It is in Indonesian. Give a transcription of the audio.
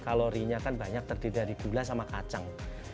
kalorinya kan banyak terdiri dari gula sama kacang